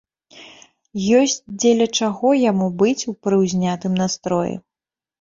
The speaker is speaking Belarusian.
Ёсць дзеля чаго яму быць у прыўзнятым настроі.